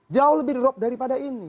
jauh lebih drop daripada ini